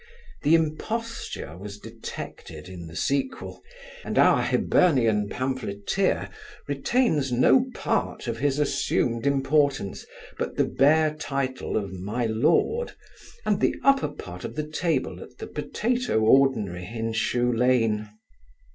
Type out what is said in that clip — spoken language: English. The imposture was detected in the sequel, and our Hibernian pamphleteer retains no part of his assumed importance, but the bare title of my lord. and the upper part of the table at the potatoe ordinary in Shoelane.